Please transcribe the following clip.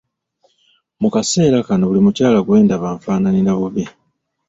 Mu kaseera kano buli mukyala gw’endaba anfaananira bubi.